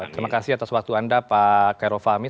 terima kasih atas waktu anda pak kairul fahmi